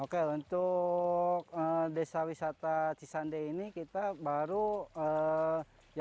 oke untuk desa wisata cisande ini kita bahas bahwa